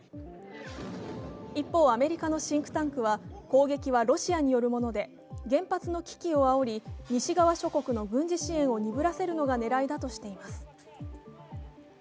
一方、アメリカのシンクタンクは攻撃はロシアによるもので原発の危機をあおり、西側諸国の軍事支援を鈍らせるのが狙いだとしています。